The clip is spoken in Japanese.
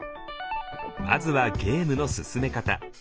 まずはゲームの進め方。